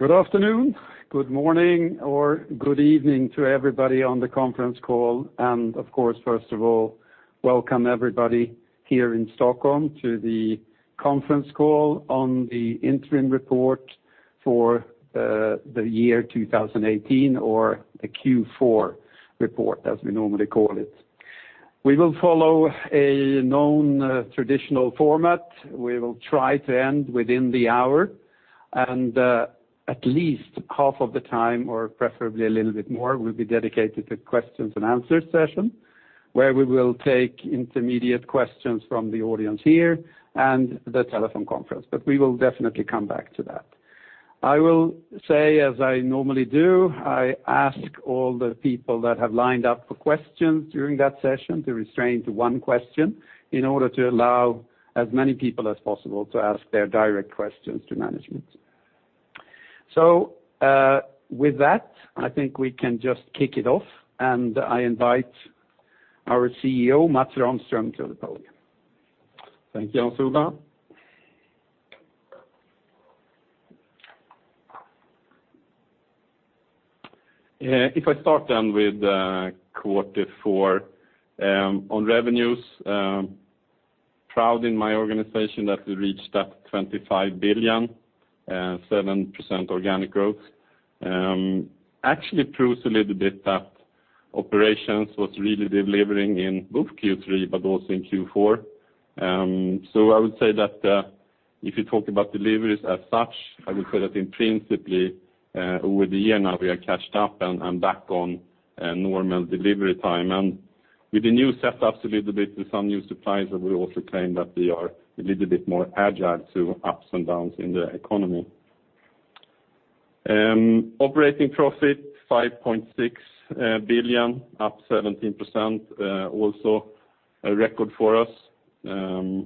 Good afternoon, good morning, or good evening to everybody on the conference call. Of course, first of all, welcome everybody here in Stockholm to the conference call on the interim report for the year 2018, or the Q4 report, as we normally call it. We will follow a known traditional format. We will try to end within the hour, and at least half of the time, or preferably a little bit more, will be dedicated to questions and answers session, where we will take intermediate questions from the audience here and the telephone conference. We will definitely come back to that. I will say, as I normally do, I ask all the people that have lined up for questions during that session to restrain to one question in order to allow as many people as possible to ask their direct questions to management. With that, I think we can just kick it off, and I invite our CEO, Mats Rahmström, to the podium. Thank you, Hans-Ola. If I start then with quarter four. On revenues, proud in my organization that we reached that 25 billion, 7% organic growth. Actually proves a little bit that operations was really delivering in both Q3 but also in Q4. I would say that if you talk about deliveries as such, I would say that in principle, over the year now we are caught up and back on normal delivery time. With the new setups a little bit with some new suppliers, we also claim that we are a little bit more agile to ups and downs in the economy. Operating profit, 5.6 billion, up 17%, also a record for us. Hans-Ola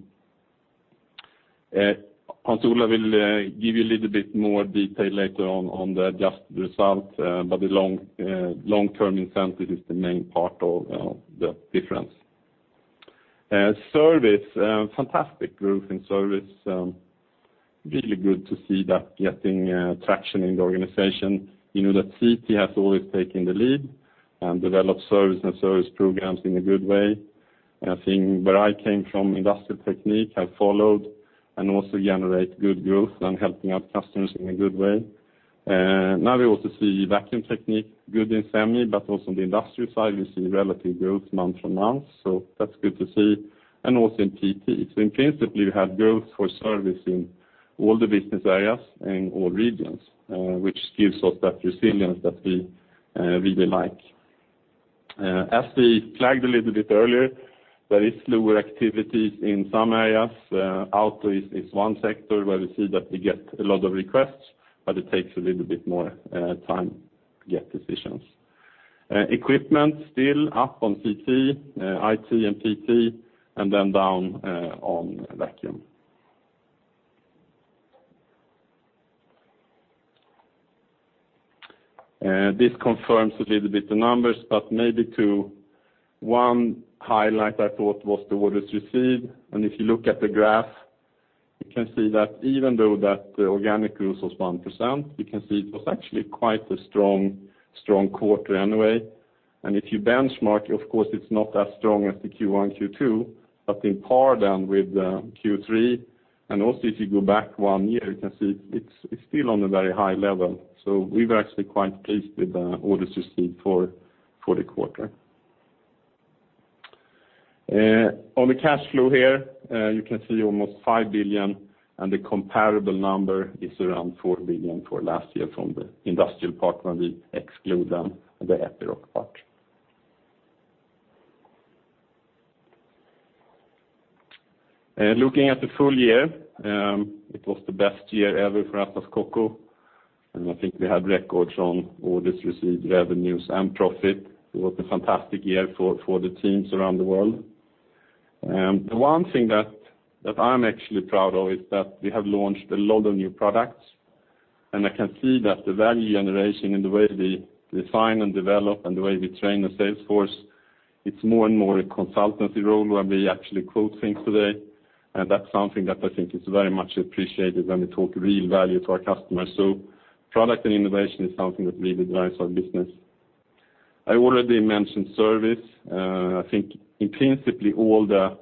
will give you a little bit more detail later on the adjusted result, but the long-term incentive is the main part of the difference. Service, fantastic growth in service. Really good to see that getting traction in the organization. You know that CT has always taken the lead and developed service and service programs in a good way. I think where I came from, Industrial Technique, have followed and also generate good growth and helping out customers in a good way. Now we also see Vacuum Technique good in semi, but also on the industrial side, we see relative growth month-from-month. That's good to see. Also in PT. In principle, we have growth for service in all the business areas, in all regions, which gives us that resilience that we really like. As we flagged a little bit earlier, there is slower activities in some areas. Auto is one sector where we see that we get a lot of requests, but it takes a little bit more time to get decisions. Equipment still up on CT, IT and PT, then down on Vacuum. This confirms a little bit the numbers, but maybe to one highlight I thought was the orders received. If you look at the graph, you can see that even though that organic growth was 1%, you can see it was actually quite a strong quarter anyway. If you benchmark, of course, it's not as strong as the Q1, Q2, but in par then with Q3, also if you go back one year, you can see it's still on a very high level. We were actually quite pleased with the orders received for the quarter. On the cash flow here, you can see almost 5 billion, and the comparable number is around 4 billion for last year from the industrial partner, and we exclude them, the Epiroc part. Looking at the full-year, it was the best year ever for Atlas Copco, I think we had records on orders received, revenues, and profit. It was a fantastic year for the teams around the world. The one thing that I'm actually proud of is that we have launched a lot of new products, I can see that the value generation in the way we define and develop and the way we train the sales force, it's more and more a consultancy role when we actually quote things today, that's something that I think is very much appreciated when we talk real value to our customers. Product and innovation is something that really drives our business. I already mentioned service. I think in principle, all the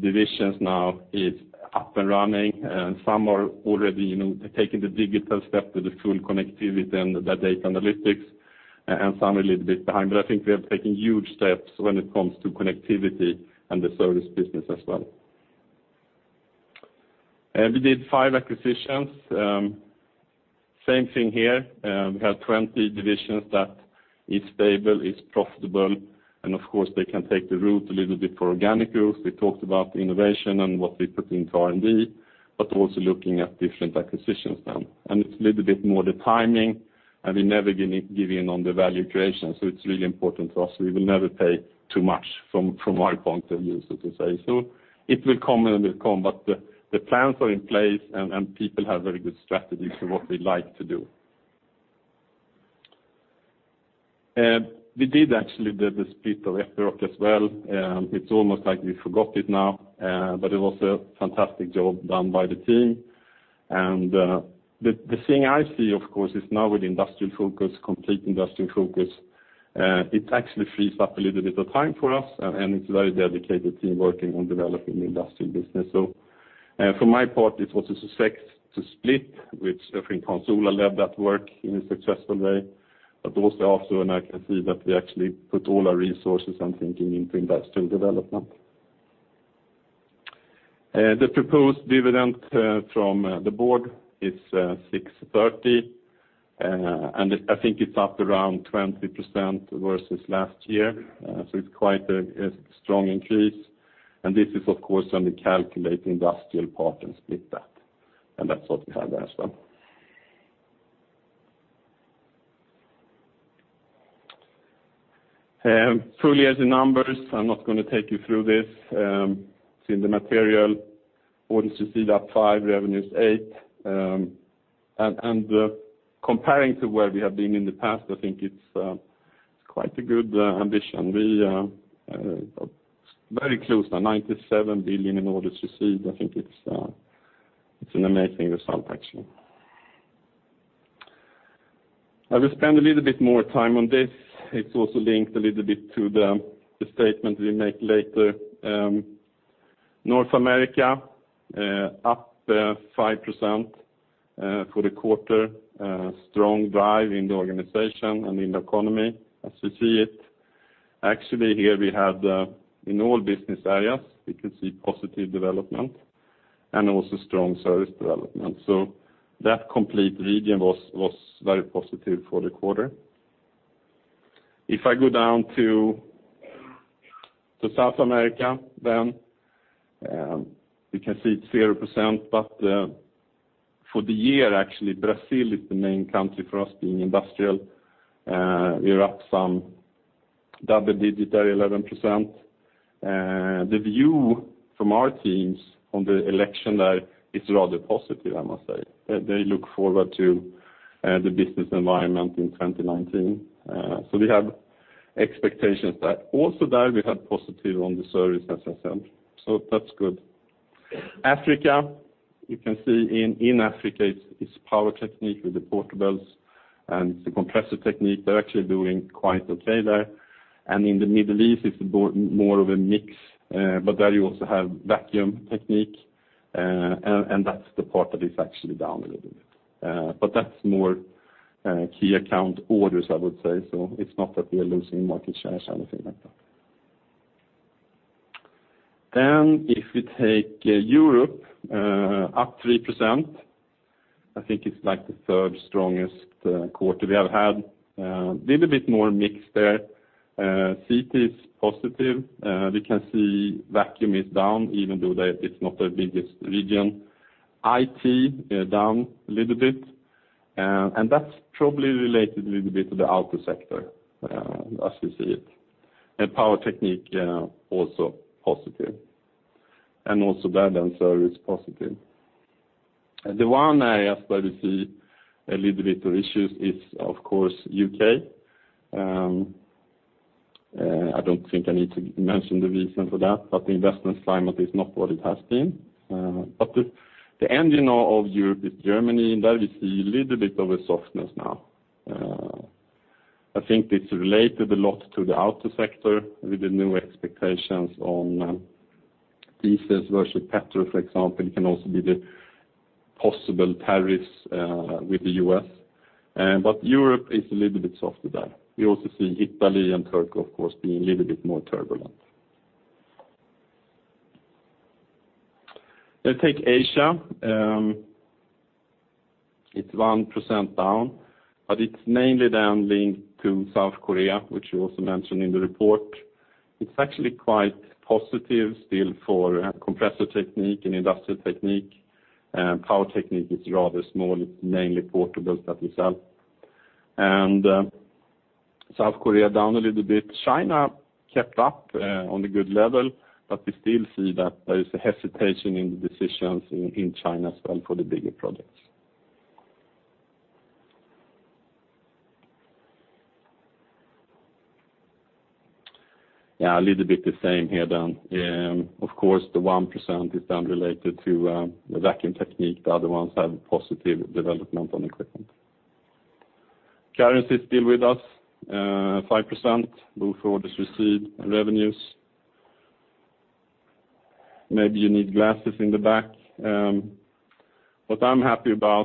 divisions now is up and running, some are already taking the digital step to the full connectivity and the data analytics, some a little bit behind. I think we have taken huge steps when it comes to connectivity and the service business as well. We did five acquisitions. Same thing here. We have 20 divisions that is stable, is profitable, of course, they can take the route a little bit for organic growth. We talked about innovation and what we put into R&D, but also looking at different acquisitions now. It's a little bit more the timing, we never give in on the value creation, it's really important to us. We will never pay too much from our point of view, so to say. It will come when it will come, but the plans are in place, and people have very good strategies for what they like to do. We did actually the split of Epiroc as well. It's almost like we forgot it now, but it was a fantastic job done by the team. The thing I see, of course, is now with industrial focus, complete industrial focus, it actually frees up a little bit of time for us, it's a very dedicated team working on developing the industrial business. From my part, it was a success to split, which I think Hans Ola led that work in a successful way, also after when I can see that we actually put all our resources and thinking into industrial development. The proposed dividend from the board is 630, I think it's up around 20% versus last year. It's quite a strong increase, and this is of course when we calculate the industrial part and split that. That's what we have there as well. Full-year numbers, I'm not going to take you through this. It's in the material. Orders received up 5%, revenues 8%. Comparing to where we have been in the past, I think it's quite a good ambition. We are very close now, 97 billion in orders received. I think it's an amazing result, actually. I will spend a little bit more time on this. It's also linked a little bit to the statement we make later. North America, up 5% for the quarter. Strong drive in the organization and in the economy as we see it. Actually here we have, in all business areas, we can see positive development and also strong service development. That complete region was very positive for the quarter. If I go down to South America, we can see it's 0%, but for the year actually, Brazil is the main country for us being industrial. We're up some double digits there, 11%. The view from our teams on the election there is rather positive, I must say. They look forward to the business environment in 2019. We have expectations that also there we have positive on the service as I said. That's good. Africa, you can see in Africa, it's Power Technique with the portables and the Compressor Technique. They're actually doing quite okay there. In the Middle East, it's more of a mix, but there you also have Vacuum Technique, and that's the part that is actually down a little bit. That's more key account orders, I would say. It's not that we are losing market shares or anything like that. If we take Europe, up 3%, I think it's the third strongest quarter we have had. A little bit more mix there. CT is positive. We can see Vacuum Technique is down, even though that it's not the biggest region. IT down a little bit, and that's probably related a little bit to the auto sector, as we see it. Power Technique also positive. Also there, service positive. The one area where we see a little bit of issues is, of course, U.K. I don't think I need to mention the reason for that, but the investment climate is not what it has been. The engine of Europe is Germany, and there we see a little bit of a softness now. I think it's related a lot to the auto sector with the new expectations on diesel versus petrol, for example. It can also be the possible tariffs with the U.S. Europe is a little bit soft there. We also see Italy and Turkey, of course, being a little bit more turbulent. Let's take Asia. It's 1% down, but it's mainly down linked to South Korea, which we also mentioned in the report. It's actually quite positive still for Compressor Technique and Industrial Technique. Power Technique is rather small. It's mainly portables that we sell. South Korea down a little bit. China kept up on a good level, but we still see that there is a hesitation in the decisions in China as well for the bigger projects. A little bit the same here then. Of course, the 1% is then related to the Vacuum Technique. The other ones have positive development on equipment. Currency is still with us, 5%, both orders received and revenues. Maybe you need glasses in the back.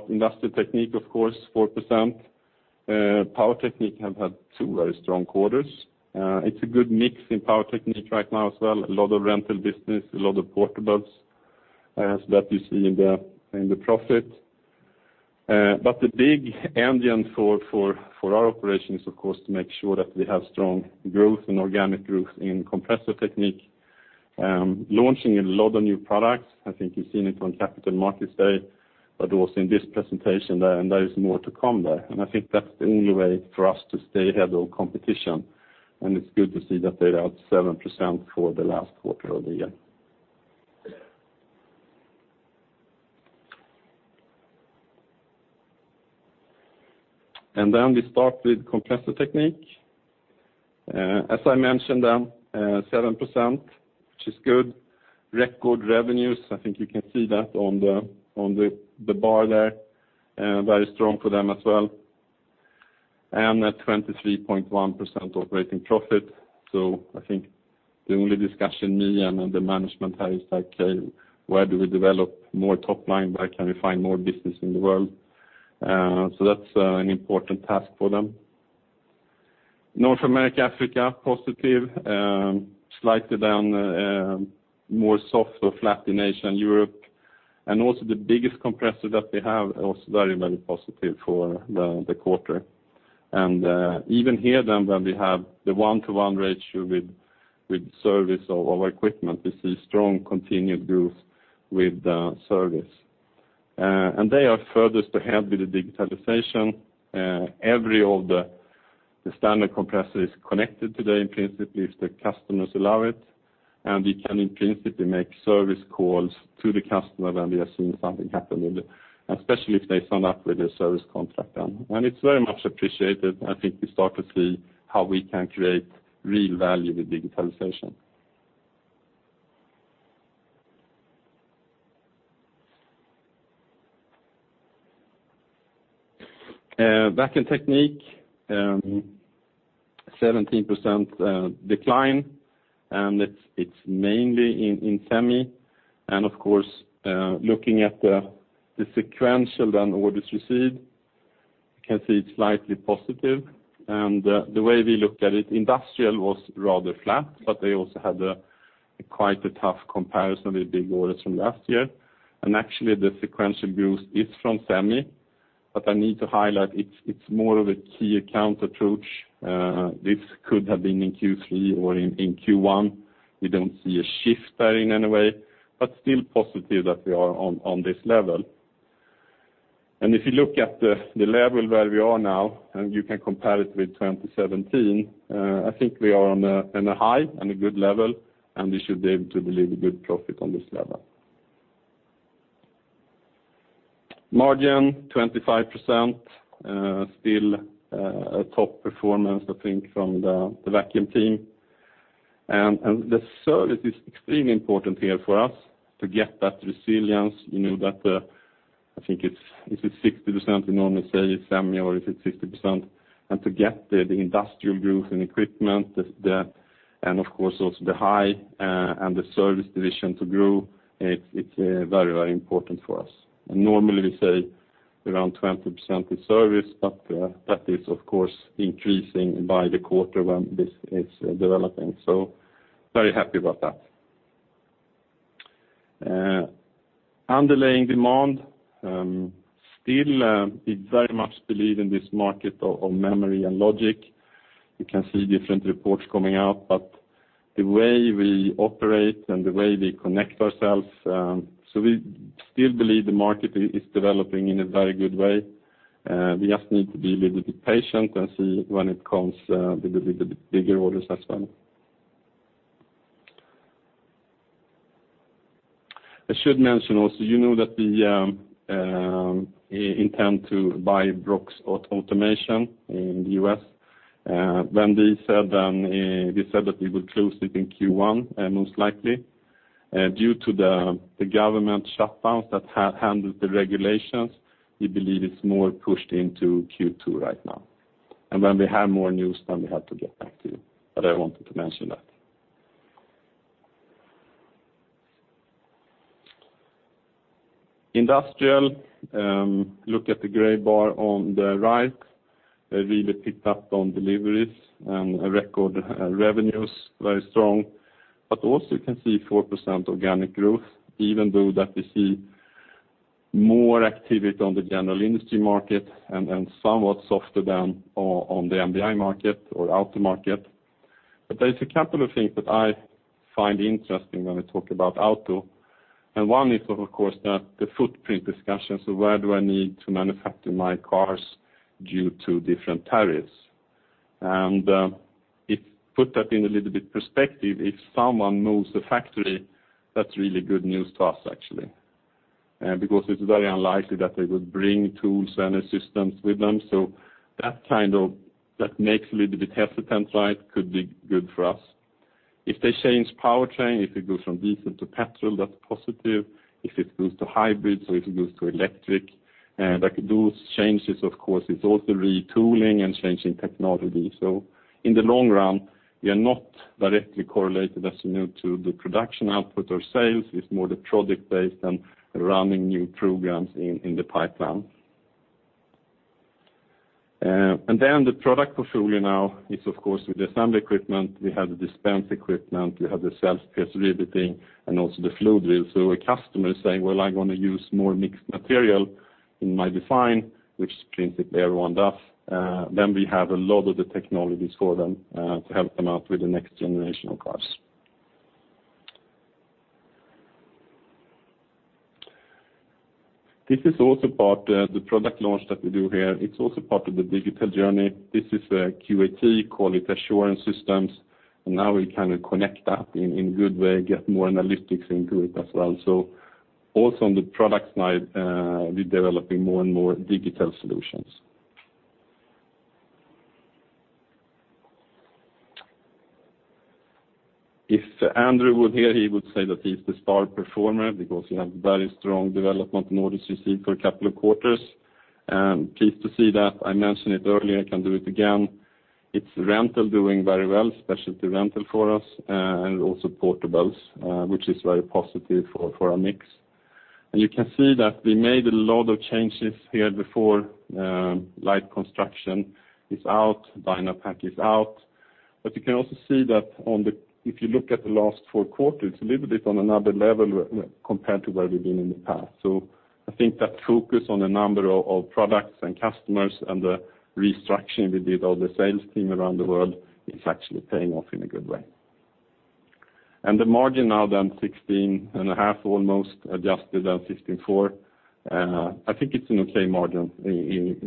Industrial Technique, of course, 4%. Power Technique have had two very strong quarters. It's a good mix in Power Technique right now as well. A lot of rental business, a lot of portables, as that you see in the profit. The big engine for our operation is, of course, to make sure that we have strong growth and organic growth in Compressor Technique. Launching a lot of new products. I think you've seen it on Capital Markets Day, but also in this presentation there is more to come there. I think that's the only way for us to stay ahead of competition, it's good to see that they're up 7% for the last quarter of the year. We start with Compressor Technique. As I mentioned, 7%, which is good. Record revenues, I think you can see that on the bar there. Very strong for them as well. A 23.1% operating profit. I think the only discussion me and the management have is, where do we develop more top line? Where can we find more business in the world? That's an important task for them. North America, Africa, positive, slightly down, more soft or flat in Asia and Europe. Also the biggest compressor that we have, also very positive for the quarter. Even here, when we have the one-to-one ratio with service of our equipment, we see strong continued growth with the service. They are furthest ahead with the digitalization. Every one of the standard compressors is connected today, in principle, if the customers allow it, and we can, in principle, make service calls to the customer when we assume something happened with it, especially if they sign up with a service contract. It's very much appreciated. I think we start to see how we can create real value with digitalization. Vacuum Technique, 17% decline, it's mainly in semi, of course, looking at the sequential orders received, you can see it's slightly positive. The way we look at it, industrial was rather flat, but they also had quite a tough comparison with big orders from last year. Actually, the sequential boost is from semi, but I need to highlight it's more of a key account approach. This could have been in Q3 or in Q1. We don't see a shift there in any way, but still positive that we are on this level. If you look at the level where we are now, and you can compare it with 2017, I think we are on a high and a good level, and we should be able to deliver good profit on this level. Margin 25%, still a top performance, I think, from the vacuum team. The service is extremely important here for us to get that resilience. I think it's 60%, we normally say, semi, or if it's 50%. To get the industrial growth in equipment, of course, also the high and the service division to grow, it's very important for us. Normally we say around 20% is service, that is, of course, increasing by the quarter when this is developing. Very happy about that. Underlying demand, still we very much believe in this market of memory and logic. You can see different reports coming out, but the way we operate and the way we connect ourselves, we still believe the market is developing in a very good way. We just need to be a little bit patient and see when it comes with the bigger orders as well. I should mention also, you know that we intend to buy Brooks Automation in the U.S. When we said that we would close it in Q1, most likely, due to the government shutdowns that handled the regulations, we believe it's more pushed into Q2 right now. When we have more news, then we have to get back to you. I wanted to mention that. Industrial, look at the gray bar on the right. They really picked up on deliveries and record revenues, very strong. Also you can see 4% organic growth, even though that we see more activity on the general industry market, and somewhat softer than on the MDI market or auto market. There's a couple of things that I find interesting when we talk about auto, and one is, of course, the footprint discussion. Where do I need to manufacture my cars due to different tariffs? To put that in a little bit perspective, if someone moves the factory, that's really good news to us, actually. It's very unlikely that they would bring tools and systems with them, that makes a little bit hesitant, could be good for us. If they change powertrain, if they go from diesel to petrol, that's positive. If it goes to hybrid, if it goes to electric, those changes, of course, it's also retooling and changing technology. In the long run, we are not directly correlated as new to the production output or sales. It's more the product base than running new programs in the pipeline. The product portfolio now is, of course, with the assembly equipment, we have the dispense equipment, we have the self-pierce riveting, and also the flow drill. A customer is saying, "Well, I want to use more mixed material in my design," which basically everyone does, then we have a lot of the technologies for them to help them out with the next generation of cars. This is also part, the product launch that we do here. It's also part of the digital journey. This is a QAT, quality assurance systems. Now we kind of connect that in a good way, get more analytics into it as well. Also on the product side, we're developing more and more digital solutions. If Andrew were here, he would say that he's the star performer because we have very strong development and orders received for a couple of quarters. Pleased to see that. I mentioned it earlier, I can do it again. It's rental doing very well, specialty rental for us, and also portables, which is very positive for our mix. You can see that we made a lot of changes here before. Light construction is out, Dynapac is out. You can also see that, if you look at the last four quarters, a little bit on another level compared to where we've been in the past. I think that focus on a number of products and customers and the restructuring we did of the sales team around the world is actually paying off in a good way. The margin now, 16.5% almost, adjusted on 15.4%. I think it's an okay margin,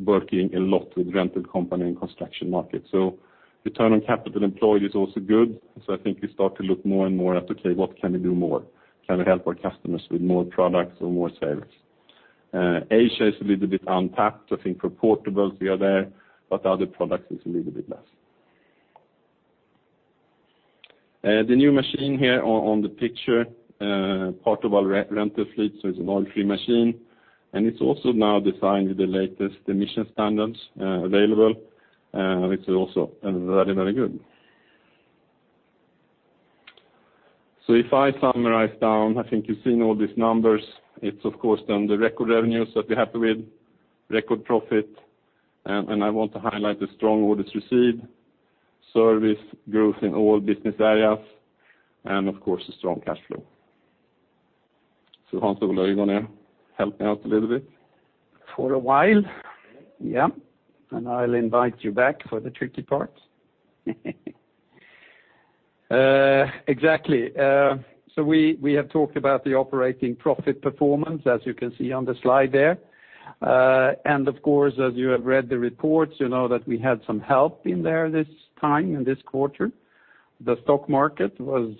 working a lot with rental company and construction market. Return on capital employed is also good. I think we start to look more and more at, okay, what can we do more? Can we help our customers with more products or more service? Asia is a little bit untapped. I think for portables we are there, but other products it's a little bit less. The new machine here on the picture, part of our rental fleet. It's an oil-free machine, and it's also now designed with the latest emission standards available, which is also very good. If I summarize down, I think you've seen all these numbers. It's of course the record revenues that we're happy with, record profit, and I want to highlight the strong orders received, service growth in all Business Areas, and of course the strong cash flow. Hans Ola, are you going to help me out a little bit? For a while, yeah. I'll invite you back for the tricky parts. Exactly. We have talked about the operating profit performance, as you can see on the slide there. Of course, as you have read the reports, you know that we had some help in there this time, in this quarter. The stock market was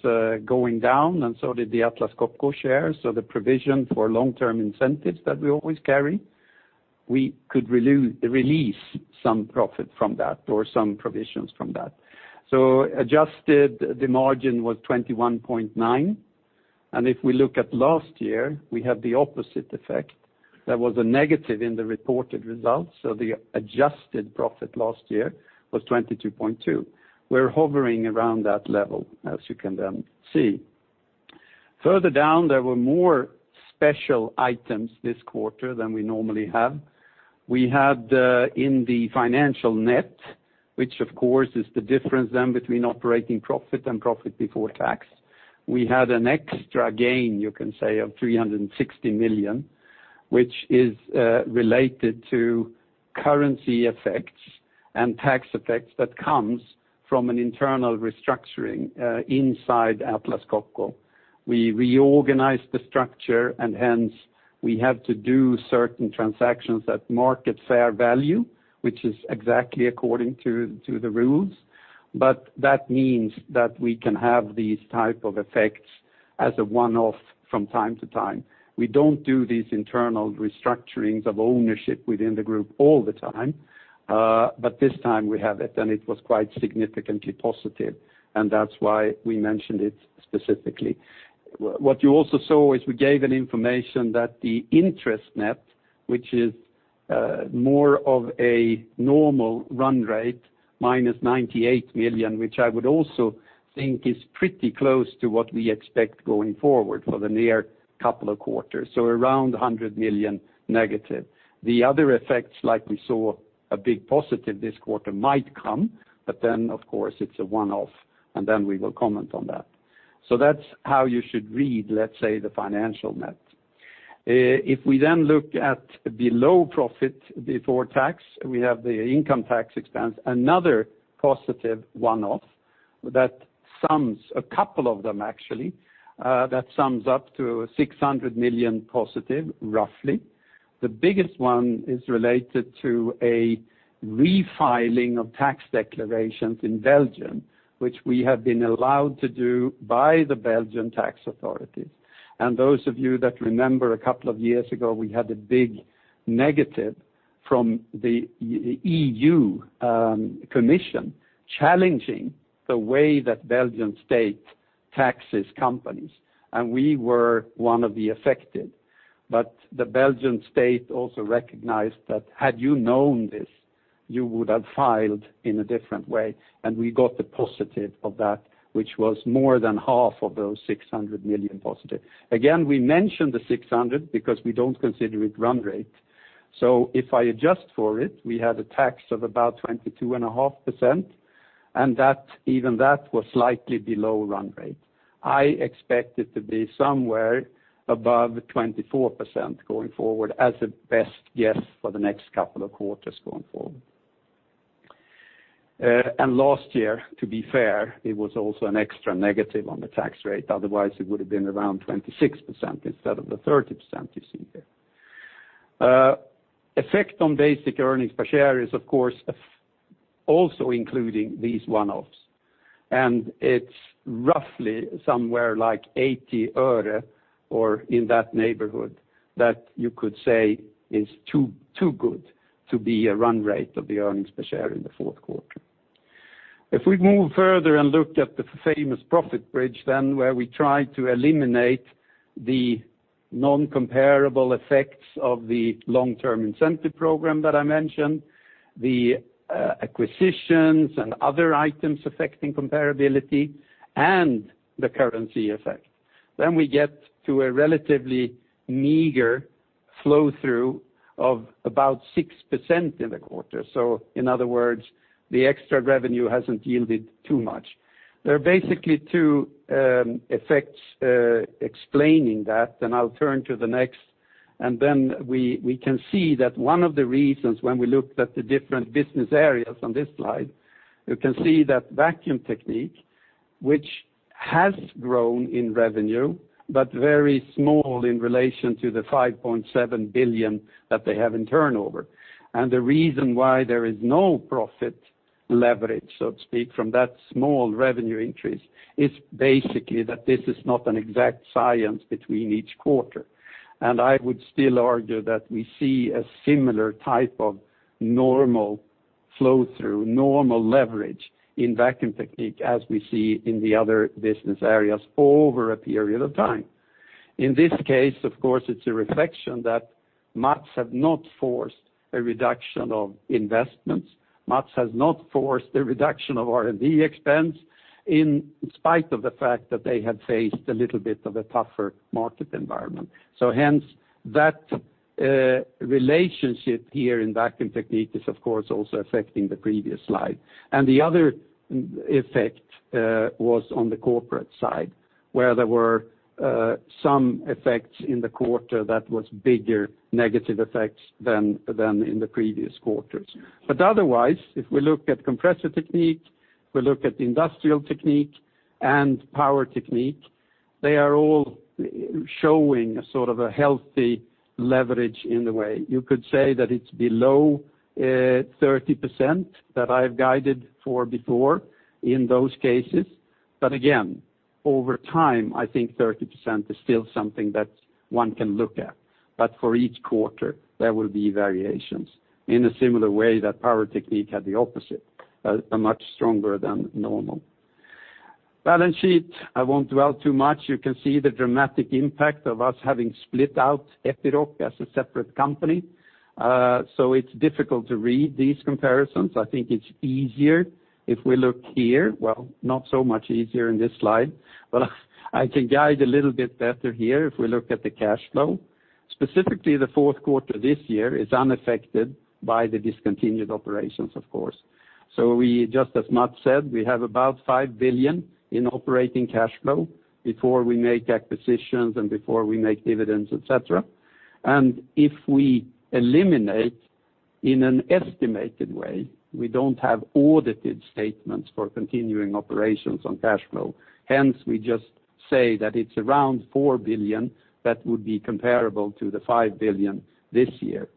going down and so did the Atlas Copco shares. The provision for long-term incentives that we always carry, we could release some profit from that or some provisions from that. Adjusted, the margin was 21.9%, and if we look at last year, we had the opposite effect. That was a negative in the reported results. The adjusted profit last year was 22.2%. We're hovering around that level, as you can see. Further down, there were more special items this quarter than we normally have. We had in the financial net, which of course is the difference between operating profit and profit before tax. We had an extra gain, you can say, of 360 million, which is related to currency effects and tax effects that comes from an internal restructuring inside Atlas Copco. We reorganized the structure, and hence, we had to do certain transactions at market fair value, which is exactly according to the rules. That means that we can have these type of effects as a one-off from time to time. We don't do these internal restructurings of ownership within the group all the time. This time we have it, and it was quite significantly positive, and that's why we mentioned it specifically. What you also saw is we gave an information that the interest net, which is more of a normal run rate, minus 98 million, which I would also think is pretty close to what we expect going forward for the near couple of quarters. Around 100 million negative. Of course it's a one-off and we will comment on that. That's how you should read, let's say, the financial net. If we look at below profit before tax, we have the income tax expense, another positive one-off. A couple of them actually, that sums up to 600 million positive, roughly. The biggest one is related to a refiling of tax declarations in Belgium, which we have been allowed to do by the Belgian tax authorities. Those of you that remember a couple of years ago, we had a big negative from the European Commission challenging the way that Belgian state taxes companies, and we were one of the affected. The Belgian state also recognized that had you known this, you would have filed in a different way, and we got the positive of that, which was more than half of those 600 million positive. Again, we mentioned the 600 because we don't consider it run rate. If I adjust for it, we had a tax of about 22.5%, and even that was slightly below run rate. I expect it to be somewhere above 24% going forward as a best guess for the next couple of quarters going forward. Last year, to be fair, it was also an extra negative on the tax rate. Otherwise, it would have been around 26% instead of the 30% you see there. Effect on basic earnings per share is of course also including these one-offs, and it's roughly somewhere like SEK 0.80 or in that neighborhood that you could say is too good to be a run rate of the earnings per share in the fourth quarter. If we move further and look at the famous profit bridge, where we try to eliminate the non-comparable effects of the long-term incentive program that I mentioned, the acquisitions and other items affecting comparability, and the currency effect, we get to a relatively meager flow-through of about 6% in the quarter. In other words, the extra revenue hasn't yielded too much. There are basically two effects explaining that. I'll turn to the next, and we can see that one of the reasons when we looked at the different business areas on this slide, you can see that Vacuum Technique, which has grown in revenue, but very small in relation to the 5.7 billion that they have in turnover. The reason why there is no profit leverage, so to speak, from that small revenue increase is basically that this is not an exact science between each quarter. I would still argue that we see a similar type of normal flow-through, normal leverage in Vacuum Technique as we see in the other business areas over a period of time. In this case, of course, it's a reflection that Mats have not forced a reduction of investments. Mats has not forced a reduction of R&D expense in spite of the fact that they have faced a little bit of a tougher market environment. Hence that relationship here in Vacuum Technique is of course also affecting the previous slide. The other effect was on the corporate side, where there were some effects in the quarter that was bigger negative effects than in the previous quarters. Otherwise, if we look at Compressor Technique, we look at Industrial Technique and Power Technique, they are all showing a sort of a healthy leverage in a way. You could say that it's below 30% that I've guided for before in those cases. Again, over time, I think 30% is still something that one can look at. For each quarter, there will be variations in a similar way that Power Technique had the opposite, a much stronger than normal. Balance sheet, I won't dwell too much. You can see the dramatic impact of us having split out Epiroc as a separate company. It's difficult to read these comparisons. I think it's easier if we look here. Not so much easier in this slide, but I can guide a little bit better here if we look at the cash flow. Specifically, the fourth quarter this year is unaffected by the discontinued operations, of course. We just, as Mats said, we have about 5 billion in operating cash flow before we make acquisitions and before we make dividends, et cetera. If we eliminate in an estimated way, we don't have audited statements for continuing operations on cash flow, hence we just say that it's around 4 billion that would be comparable to the 5 billion this year.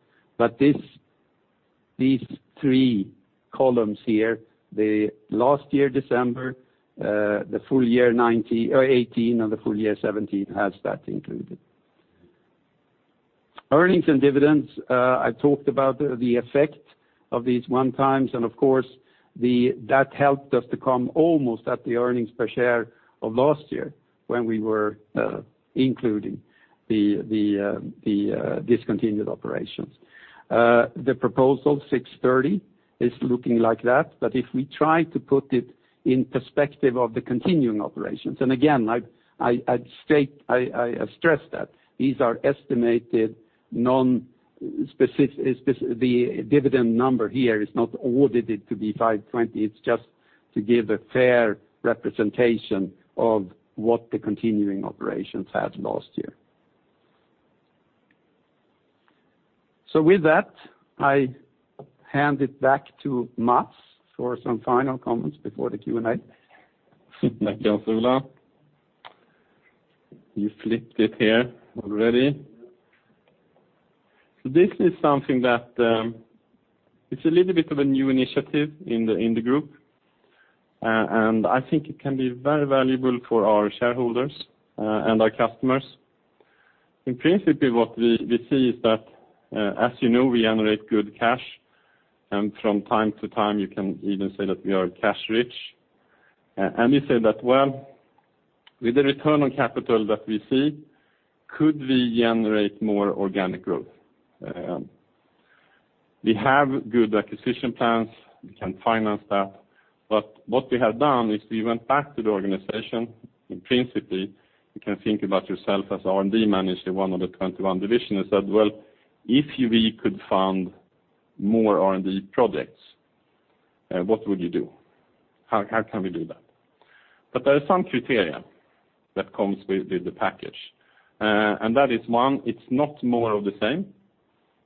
These three columns here, the last year December, the full-year 2018, and the full-year 2017 has that included. Earnings and dividends, I talked about the effect of these one times, and of course, that helped us to come almost at the earnings per share of last year when we were including the discontinued operations. The proposal 6.30 is looking like that. If we try to put it in perspective of the continuing operations, and again, I stress that these are estimated, the dividend number here is not audited to be 5.20. It's just to give a fair representation of what the continuing operations had last year. With that, I hand it back to Mats for some final comments before the Q&A. Thank you, Hans Ola. You flipped it here already. This is something that it's a little bit of a new initiative in the group, and I think it can be very valuable for our shareholders and our customers. In principle, what we see is that, as you know, we generate good cash, and from time to time, you can even say that we are cash-rich. We said that, well, with the return on capital that we see, could we generate more organic growth? We have good acquisition plans. We can finance that. What we have done is we went back to the organization. In principle, you can think about yourself as R&D manager, one of the 21 divisions, and said, "Well, if we could fund more R&D projects, what would you do? How can we do that?" There are some criteria that comes with the package. That is one, it's not more of the same,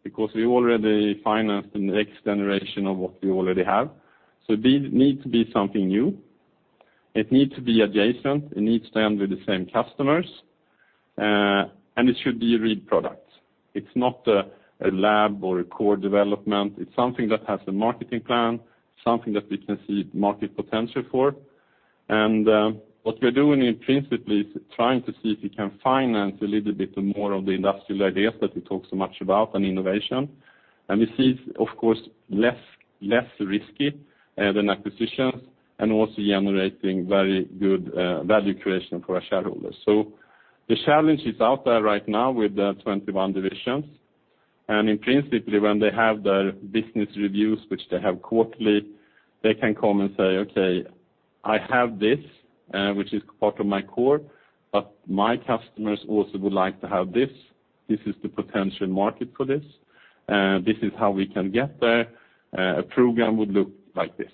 because we already financed the next generation of what we already have. It needs to be something new. It needs to be adjacent, it needs to end with the same customers, and it should be a real product. It's not a lab or a core development. It's something that has a marketing plan, something that we can see market potential for. What we're doing in principle is trying to see if we can finance a little bit more of the industrial ideas that we talk so much about, and innovation. We see, of course, less risky than acquisitions and also generating very good value creation for our shareholders. The challenge is out there right now with the 21 divisions. In principle, when they have their business reviews, which they have quarterly, they can come and say, "Okay, I have this, which is part of my core, but my customers also would like to have this. This is the potential market for this. This is how we can get there. A program would look like this."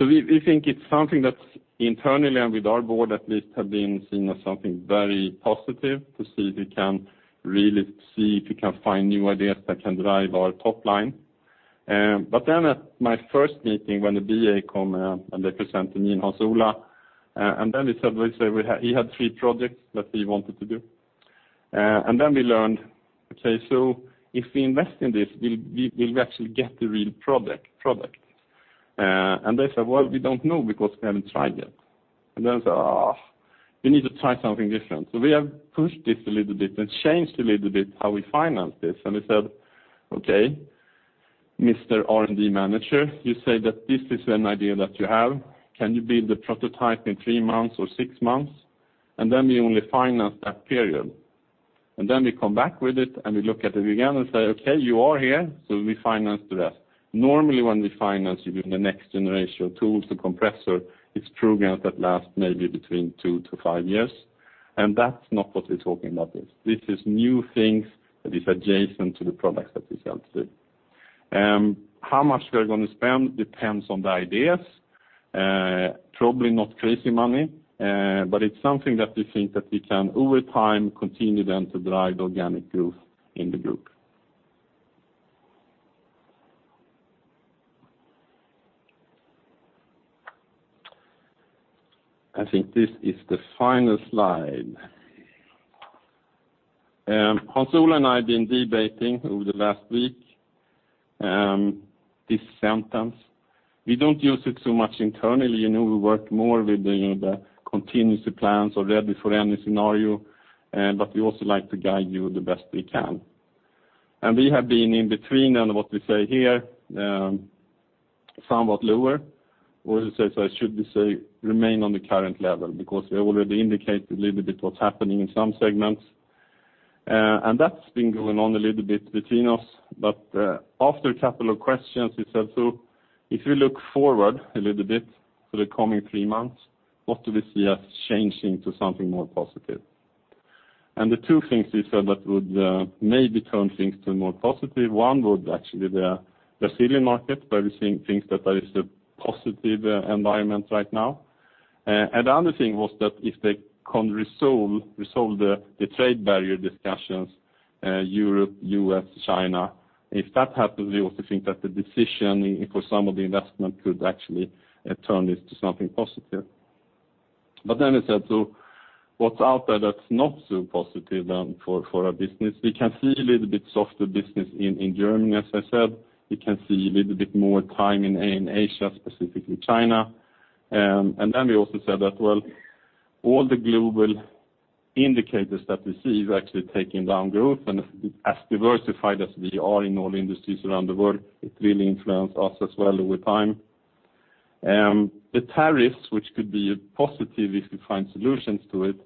We think it's something that internally and with our board at least, have been seen as something very positive to see if we can really find new ideas that can drive our top line. At my first meeting when the BA came, they presented me and Hans Ola, he said he had three projects that he wanted to do. We learned, okay, if we invest in this, will we actually get the real product? They said, "Well, we don't know because we haven't tried yet." I said, "Argh, we need to try something different." We have pushed this a little bit and changed a little bit how we finance this, and we said, "Okay, Mr. R&D manager, you say that this is an idea that you have. Can you build the prototype in three months or six months?" We only finance that period. We come back with it and we look at it again and say, "Okay, you are here, so we finance the rest." Normally when we finance the next generation of tools to compressor, it's programs that last maybe between two to five years, that's not what we're talking about this. This is new things that is adjacent to the products that we sell today. How much we are going to spend depends on the ideas. Probably not crazy money, but it is something that we think that we can, over time, continue then to drive the organic growth in the group. I think this is the final slide. Hans Ola and I have been debating over the last week, this sentence. We don't use it so much internally. We work more with the continuous plans or ready for any scenario, but we also like to guide you the best we can. We have been in between and what we say here, somewhat lower, or should we say remain on the current level? We already indicated a little bit what's happening in some segments. That's been going on a little bit between us. After a couple of questions, we said, "If we look forward a little bit for the coming three months, what do we see as changing to something more positive?" The two things we said that would maybe turn things to more positive, one would actually the Brazilian market, where we think that there is a positive environment right now. The other thing was that if they can resolve the trade barrier discussions, Europe, U.S., China, if that happens, we also think that the decision for some of the investment could actually turn this to something positive. Then we said, what's out there that's not so positive for our business? We can see a little bit softer business in Germany, as I said. We can see a little bit more time in Asia, specifically China. Then we also said that, well, all the global indicators that we see is actually taking down growth, and as diversified as we are in all industries around the world, it really influence us as well over time. The tariffs, which could be a positive if we find solutions to it,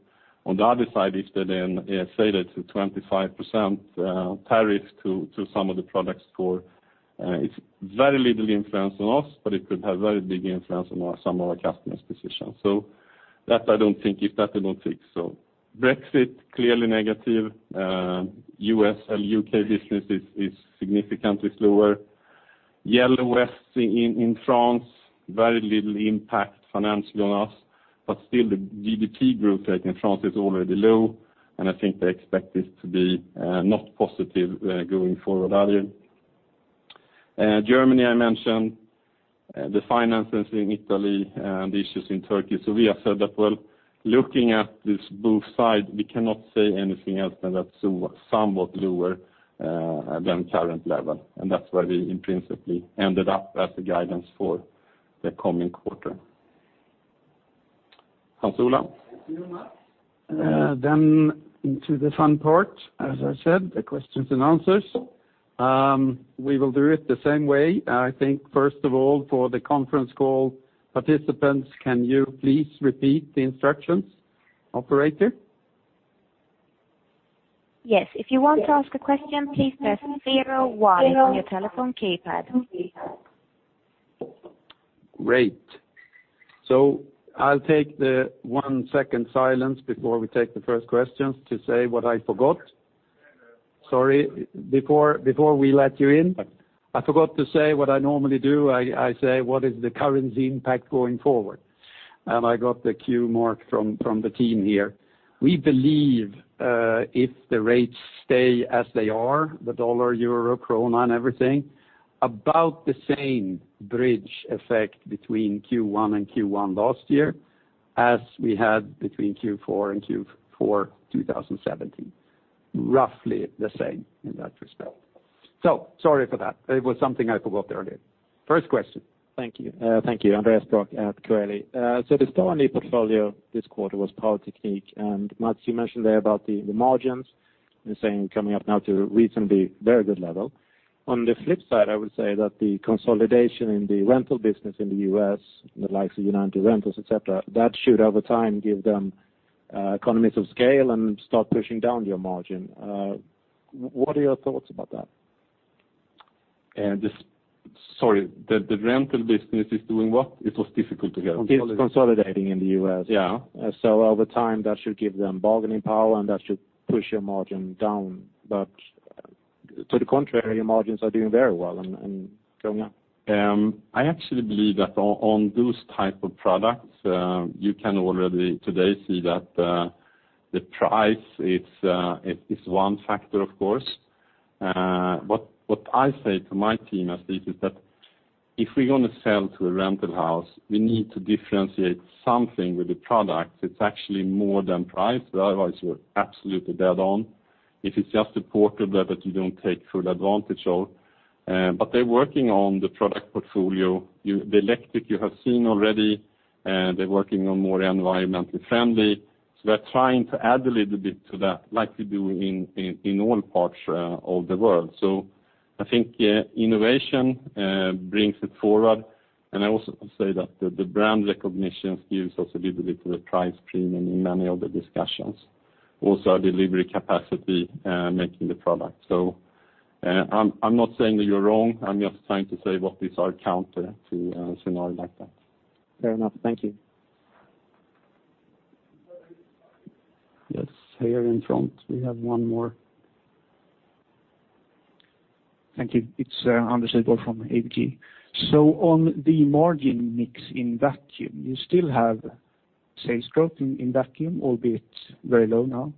on the other side, if they then say that to 25% tariff to some of the products for, it's very little influence on us, but it could have very big influence on some of our customers' positions. That I don't think if that will take. Brexit, clearly negative. U.S. and U.K. business is significantly slower. Yellow vests in France, very little impact financially on us, but still the GDP growth rate in France is already low, and I think they expect this to be not positive going forward either. Germany, I mentioned, the finances in Italy, and the issues in Turkey. We have said that, well, looking at this both sides, we cannot say anything else than that somewhat lower than current level. That's where we in principle ended up as a guidance for the coming quarter. Hans Ola? Thank you very much. Into the fun part, as I said, the questions and answers. We will do it the same way. I think first of all, for the conference call participants, can you please repeat the instructions, operator? Yes. If you want to ask a question, please press zero one on your telephone keypad. Great. I'll take the one second silence before we take the first questions to say what I forgot. Sorry. Before we let you in, I forgot to say what I normally do. I say what is the currency impact going forward? I got the cue, Mats, from the team here. We believe if the rates stay as they are, the dollar, euro, krona, and everything, about the same bridge effect between Q1 and Q1 last year as we had between Q4 and Q4 2017. Roughly the same in that respect. Sorry for that. It was something I forgot there again. First question. Thank you. Andreas Brock at Kepler Cheuvreux. The Starline portfolio this quarter was Power Technique, and Mats, you mentioned there about the margins and saying coming up now to reasonably very good level. On the flip side, I would say that the consolidation in the rental business in the U.S., the likes of United Rentals, et cetera, that should over time give them economies of scale and start pushing down your margin. What are your thoughts about that? Sorry, the rental business is doing what? It was difficult to hear. It's consolidating in the U.S. Yeah. Over time, that should give them bargaining power, and that should push your margin down. To the contrary, your margins are doing very well and going up. I actually believe that on those type of products, you can already today see that the price is one factor, of course. What I say to my team is that if we're going to sell to a rental house, we need to differentiate something with the product. It's actually more than price, otherwise, you're absolutely dead on. If it's just a portable that you don't take full advantage of. They're working on the product portfolio. The electric, you have seen already, they're working on more environmentally friendly. They're trying to add a little bit to that, like we do in all parts of the world. I think innovation brings it forward. I also say that the brand recognition gives us a little bit of a price premium in many of the discussions. Also, our delivery capacity making the product. I'm not saying that you're wrong, I'm just trying to say what is our counter to a scenario like that. Fair enough. Thank you. Yes, here in front, we have one more. Thank you. It's Anders Roslund from ABG. On the margin mix in Vacuum, you still have sales growth in Vacuum, albeit very low now.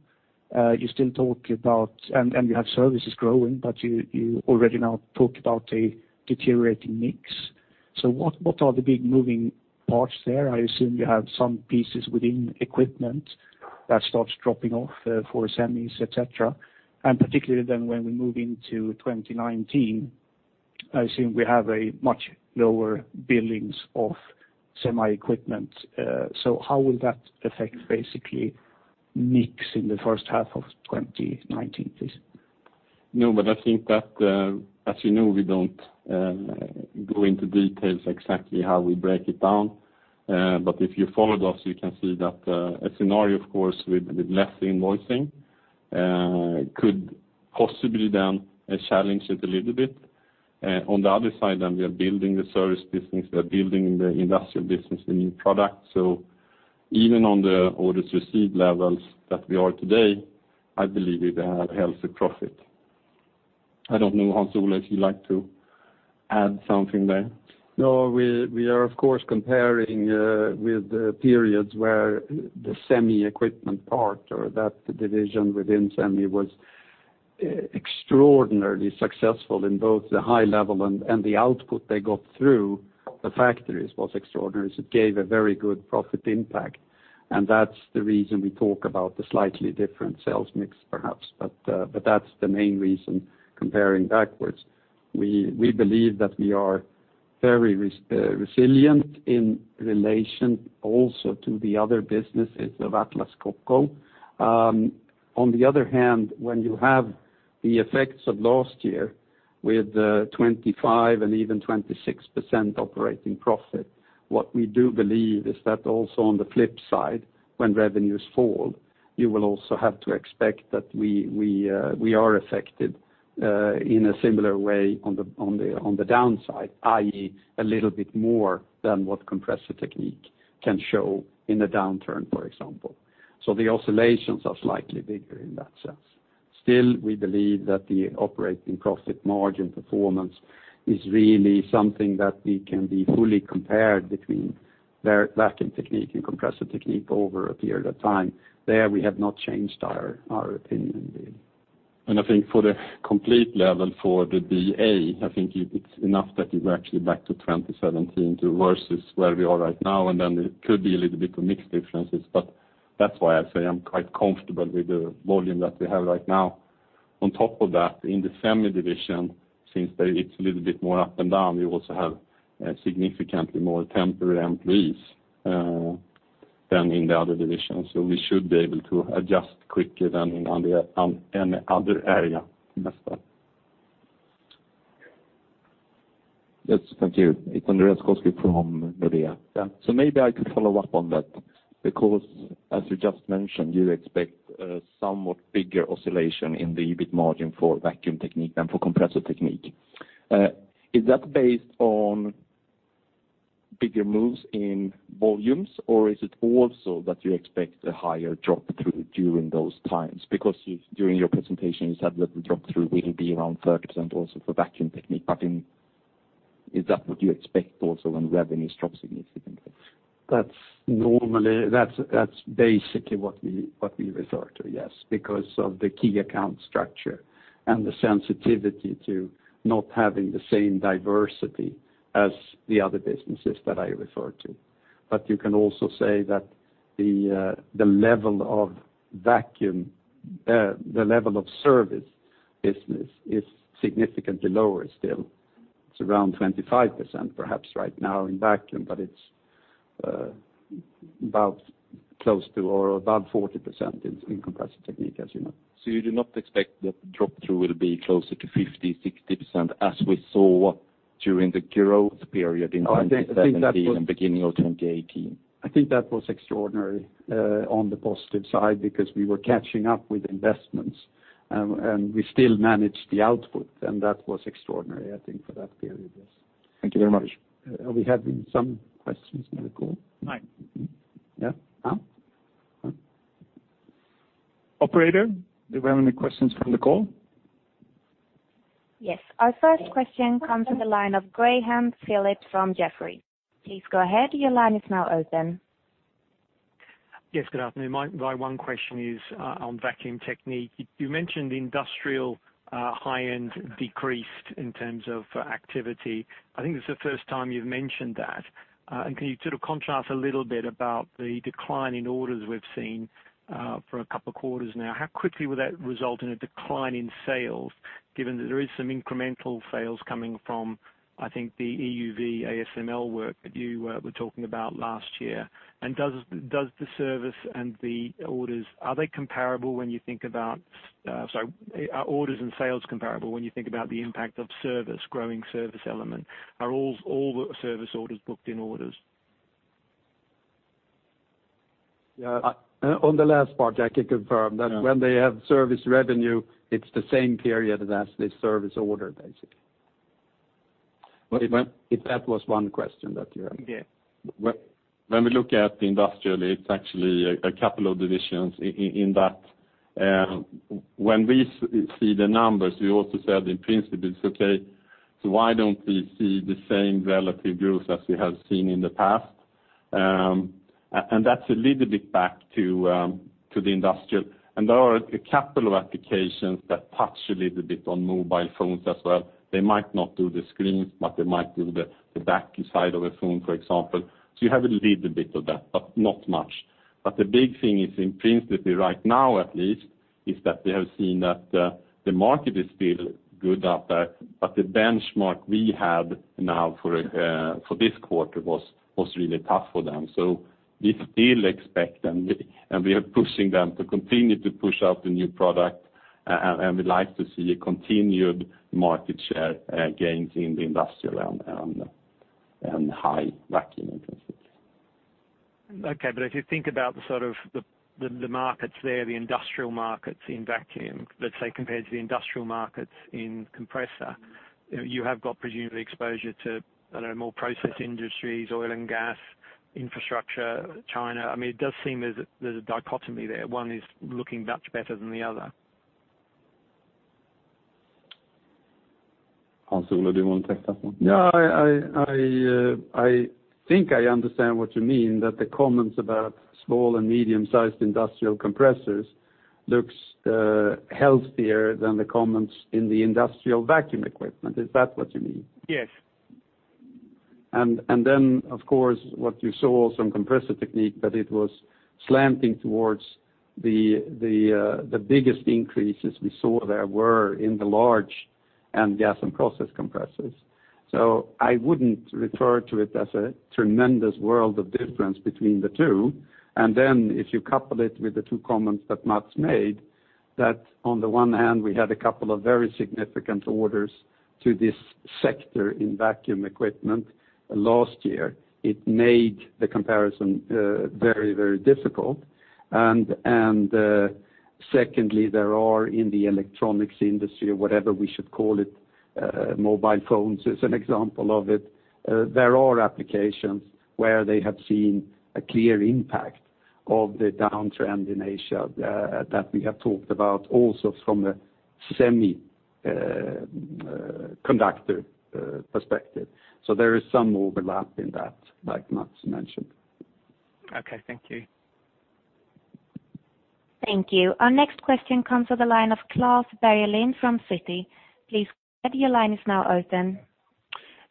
You still talk about and you have services growing, but you already now talk about a deteriorating mix. What are the big moving parts there? I assume you have some pieces within equipment that starts dropping off for semis, et cetera. Particularly then when we move into 2019, I assume we have a much lower billings of semi equipment. How will that affect basically mix in the first half of 2019, please? I think that, as you know, we don't go into details exactly how we break it down. If you followed us, you can see that a scenario, of course, with less invoicing could possibly then challenge it a little bit. We are building the service business, we are building the industrial business, the new product. Even on the orders received levels that we are today, I believe it has a healthy profit. I don't know, Hans Ola, if you'd like to add something there. We are of course, comparing with the periods where the semi equipment part or that division within semi was extraordinarily successful in both the high level and the output they got through the factories was extraordinary. It gave a very good profit impact, and that's the reason we talk about the slightly different sales mix, perhaps. That's the main reason comparing backwards. We believe that we are very resilient in relation also to the other businesses of Atlas Copco. On the other hand, when you have the effects of last year with 25% and even 26% operating profit, what we do believe is that also on the flip side, when revenues fall, you will also have to expect that we are affected in a similar way on the downside, i.e., a little bit more than what Compressor Technique can show in a downturn, for example. The oscillations are slightly bigger in that sense. Still, we believe that the operating profit margin performance is really something that we can be fully compared between Vacuum Technique and Compressor Technique over a period of time. There we have not changed our opinion really. I think for the complete level for the BA, I think it's enough that we're actually back to 2017 to versus where we are right now, it could be a little bit of mix differences. That's why I say I'm quite comfortable with the volume that we have right now. On top of that, in the semi division, since it's a little bit more up and down, we also have significantly more temporary employees than in the other divisions. We should be able to adjust quicker than any other area in that spot. Yes, thank you. It's Andreas Koski from Nordea. Maybe I could follow up on that, because as you just mentioned, you expect a somewhat bigger oscillation in the EBIT margin for Vacuum Technique than for Compressor Technique. Is that based on bigger moves in volumes, or is it also that you expect a higher drop through during those times? During your presentation, you said that the drop through will be around 30% also for Vacuum Technique, but is that what you expect also when revenues drop significantly? That's basically what we resort to, yes, because of the key account structure and the sensitivity to not having the same diversity as the other businesses that I refer to. You can also say that the level of service business is significantly lower still. It's around 25%, perhaps right now in Vacuum Technique, but it's close to or above 40% in Compressor Technique, as you know. You do not expect that drop-through will be closer to 50%, 60%, as we saw during the growth period in 2017 and beginning of 2018? I think that was extraordinary on the positive side because we were catching up with investments, and we still managed the output, and that was extraordinary, I think, for that period. Yes. Thank you very much. Are we having some questions in the call? No. Yeah. No? Operator, do we have any questions from the call? Yes. Our first question comes from the line of Graham Phillips from Jefferies. Please go ahead. Your line is now open. Yes, good afternoon. My one question is on Vacuum Technique. You mentioned industrial high-end decreased in terms of activity. I think it's the first time you've mentioned that. Can you contrast a little bit about the decline in orders we've seen for a couple of quarters now? How quickly will that result in a decline in sales, given that there is some incremental sales coming from, I think, the EUV ASML work that you were talking about last year? Are orders and sales comparable when you think about the impact of service, growing service element? Are all the service orders booked in orders? On the last part, I can confirm that when they have service revenue, it's the same period as the service order, basically. If that was one question that you had. Yeah. When we look at the industrial, it's actually a couple of divisions in that. When we see the numbers, we also said in principle, it's okay, why don't we see the same relative growth as we have seen in the past? That's a little bit back to the industrial. There are a couple of applications that touch a little bit on mobile phones as well. They might not do the screens, but they might do the back side of a phone, for example. You have a little bit of that, but not much. The big thing is in principle right now, at least, is that we have seen that the market is still good out there, but the benchmark we have now for this quarter was really tough for them. We still expect them, and we are pushing them to continue to push out the new product, and we'd like to see continued market share gains in the industrial and high vacuum, in principle. Okay, if you think about the markets there, the industrial markets in vacuum, let's say, compared to the industrial markets in compressor, you have got presumably exposure to, I don't know, more process industries, oil and gas, infrastructure, China. It does seem there's a dichotomy there. One is looking much better than the other. Hans Ola, do you want to take that one? Yeah, I think I understand what you mean, that the comments about small and medium-sized industrial compressors looks healthier than the comments in the industrial vacuum equipment. Is that what you mean? Yes. Then, of course, what you saw some Compressor Technique, but it was slanting towards the biggest increases we saw there were in the large and gas and process compressors. I wouldn't refer to it as a tremendous world of difference between the two. Then if you couple it with the two comments that Mats made, that on the one hand, we had a couple of very significant orders to this sector in vacuum equipment last year. It made the comparison very, very difficult. Secondly, there are in the electronics industry, or whatever we should call it, mobile phones as an example of it, there are applications where they have seen a clear impact of the downtrend in Asia that we have talked about also from a semiconductor perspective. There is some overlap in that, like Mats mentioned. Okay, thank you. Thank you. Our next question comes from the line of Klas Bergelind from Citi. Please, go ahead. Your line is now open.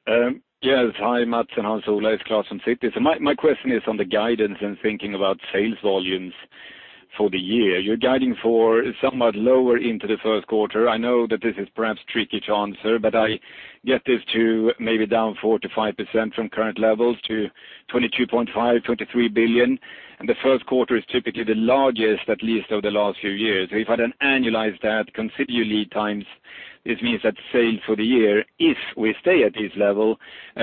Hi, Mats and Hans Ola. It's Klas from Citi. My question is on the guidance and thinking about sales volumes for the year. You're guiding for somewhat lower into the first quarter. I know that this is perhaps tricky to answer, but I get this to maybe down 4%-5% from current levels to 22.5 billion-23 billion. The first quarter is typically the largest, at least over the last few years. If I then annualize that considering lead times, this means that sales for the year, if we stay at this level,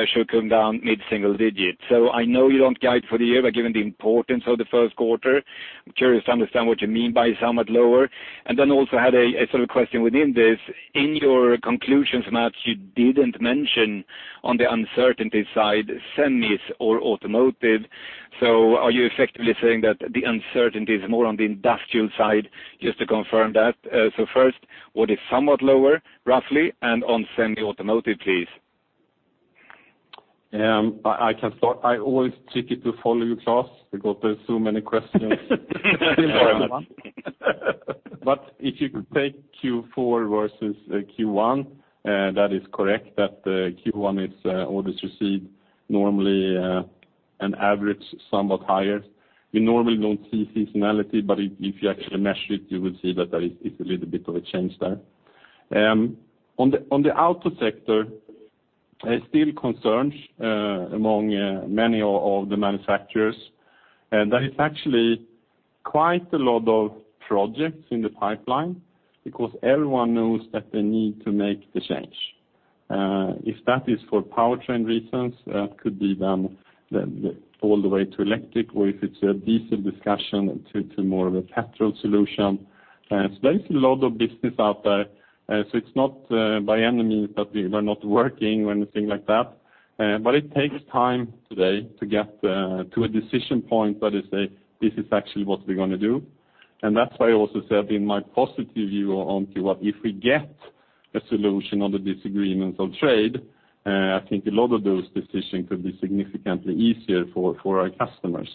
should come down mid-single digits. I know you don't guide for the year, but given the importance of the first quarter, I'm curious to understand what you mean by somewhat lower. Then also had a question within this. In your conclusions, Mats, you didn't mention on the uncertainty side semis or automotive. Are you effectively saying that the uncertainty is more on the industrial side? Just to confirm that. First, what is somewhat lower, roughly, and on semi automotive, please? I always take it to follow you, Klas, because there's so many questions. If you could take Q4 versus Q1, that is correct, that Q1 is orders received normally an average, somewhat higher. We normally don't see seasonality, but if you actually measure it, you will see that there is a little bit of a change there. On the auto sector, there's still concerns among many of the manufacturers. There is actually quite a lot of projects in the pipeline, because everyone knows that they need to make the change. If that is for powertrain reasons, that could be then all the way to electric, or if it's a diesel discussion, to more of a petrol solution. There is a lot of business out there. It's not by any means that we are not working or anything like that. It takes time today to get to a decision point that they say, "This is actually what we're going to do." That's why I also said in my positive view on Q1, if we get a solution on the disagreements on trade, I think a lot of those decisions could be significantly easier for our customers.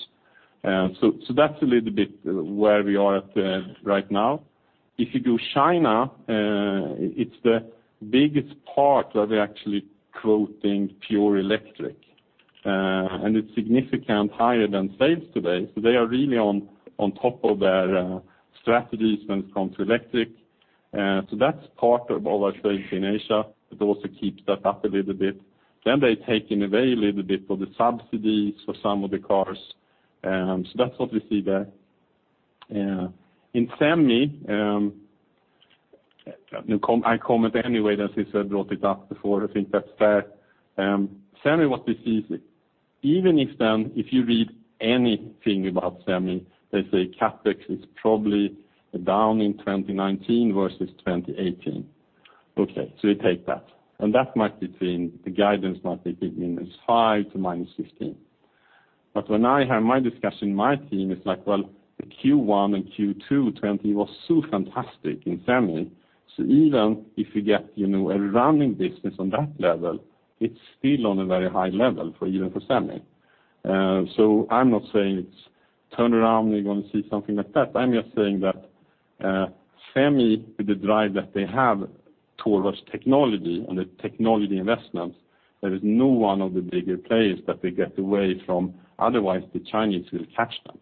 That's a little bit where we are at right now. If you do China, it's the biggest part that they're actually quoting pure electric. It's significantly higher than sales today. They are really on top of their strategies when it comes to electric. That's part of our sales in Asia, that also keeps that up a little bit. They're taking away a little bit of the subsidies for some of the cars. That's what we see there. In semi, I comment anyway, since I brought it up before, I think that's fair. Semi was busy. Even if you read anything about semi, they say CapEx is probably down in 2019 versus 2018. Okay, we take that. That might be between the guidance might be between -5% to -15%. When I have my discussion, my team is like, well, the Q1 and Q2 2020 was so fantastic in semi, so even if you get a running business on that level, it's still on a very high level for even for semi. I'm not saying it's turned around, we're going to see something like that, I'm just saying that semi, with the drive that they have towards technology and the technology investments, there is no one of the bigger players that they get away from, otherwise the Chinese will catch them.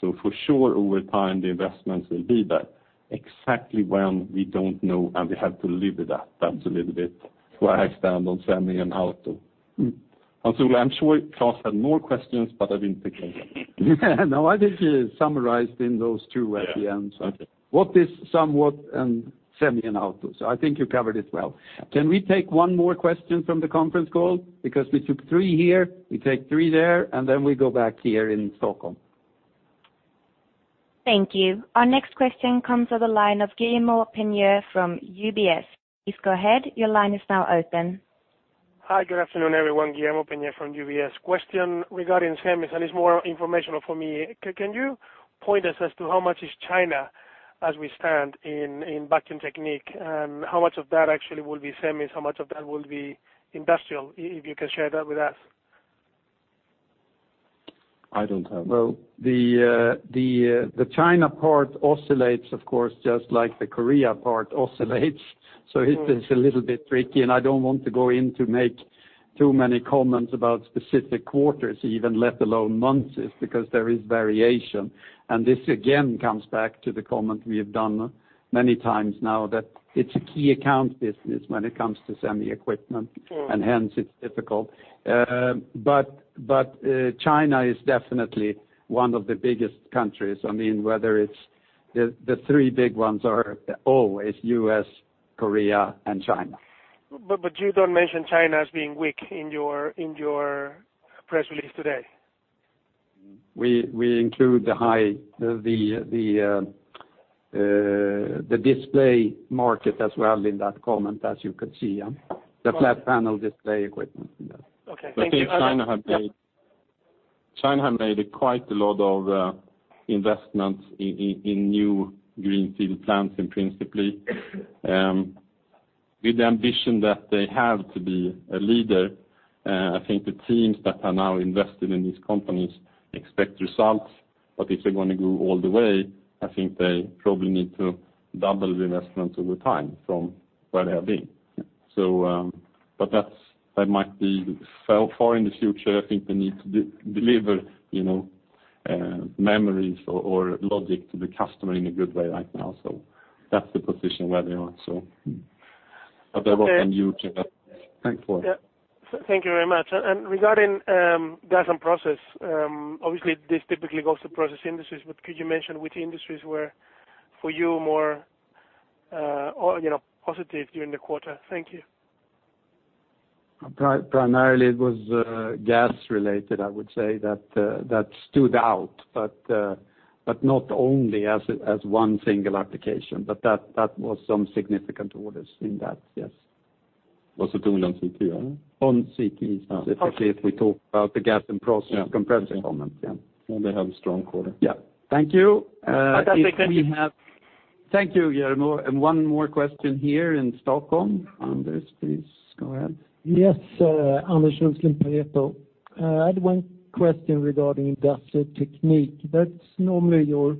For sure, over time, the investments will be there. Exactly when, we don't know, and we have to live with that. That's a little bit where I stand on semi and auto. I'm sure Klas had more questions, but I didn't take them. No, I think you summarized in those two at the end. Yeah. Okay. What is somewhat and semi and auto. I think you covered it well. Yeah. Can we take one more question from the conference call? We took three here, we take three there, and then we go back here in Stockholm. Thank you. Our next question comes to the line of Guillermo Peigneux-Lojo from UBS. Please go ahead, your line is now open. Hi, good afternoon, everyone. Guillermo Peigneux-Lojo from UBS. Question regarding semis, and it's more informational for me. Can you point us as to how much is China as we stand in Vacuum Technique? How much of that actually will be semis, how much of that will be industrial, if you can share that with us? I don't have- The China part oscillates, of course, just like the Korea part oscillates. It is a little bit tricky, and I don't want to go in to make too many comments about specific quarters even, let alone months, because there is variation. This again comes back to the comment we have done many times now, that it's a key account business when it comes to semi-equipment. Sure and hence it's difficult. China is definitely one of the biggest countries. The three big ones are always U.S., Korea, and China. You don't mention China as being weak in your press release today. We include the display market as well in that comment, as you could see. The flat panel display equipment. Okay. Thank you. I think China have made quite a lot of investments in new greenfield plants in principally. With the ambition that they have to be a leader, I think the teams that are now invested in these companies expect results. If they're going to go all the way, I think they probably need to double the investments over time from where they have been. That might be far in the future. I think they need to deliver memories or logic to the customer in a good way right now. That's the position where they are. I welcome you to ask. Okay. Thanks for it. Yeah. Thank you very much. Regarding gas and process, obviously this typically goes to process industries, but could you mention which industries were for you more positive during the quarter? Thank you. Primarily it was gas-related, I would say, that stood out. Not only as one single application, but that was some significant orders in that, yes. Was it only on CT? On CT, specifically if we talk about the gas and process compressor comment, yeah. They had a strong quarter. Yeah. Thank you. I think we. Thank you, Guiller. One more question here in Stockholm. Anders, please go ahead. Yes, Anders, Pareto. I had one question regarding Industrial Technique. That's normally your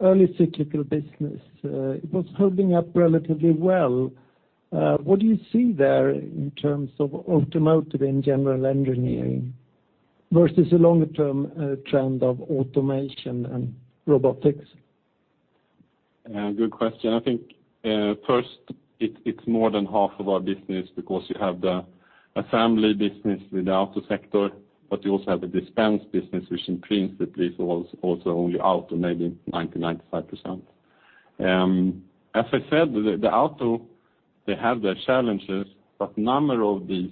early cyclical business. It was holding up relatively well. What do you see there in terms of automotive and general engineering versus the longer-term trend of automation and robotics? Good question. I think, first, it's more than half of our business because you have the assembly business with the auto sector, but you also have the dispense business, which in principle is also only auto, maybe 90%, 95%. As I said, the auto, they have their challenges. Number of these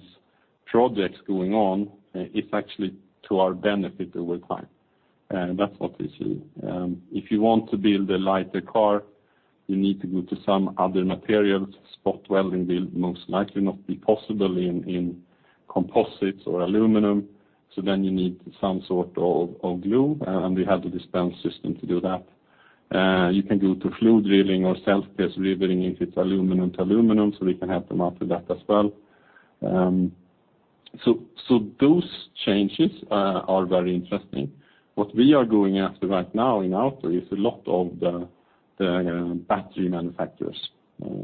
projects going on is actually to our benefit over time. That's what we see. If you want to build a lighter car, you need to go to some other materials. Spot welding will most likely not be possible in composites or aluminum. You need some sort of glue, and we have the dispense system to do that. You can go to flow drill or self-pierce riveting if it's aluminum to aluminum. We can help them out with that as well. Those changes are very interesting. What we are going after right now in auto is a lot of the battery manufacturers